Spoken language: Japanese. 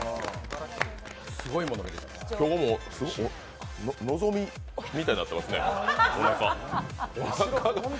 今日も、のぞみみたいになってますね。